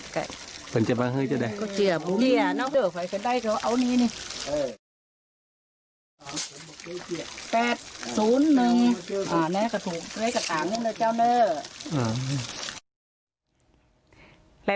ก็เจือบุญเนี่ยเนอะ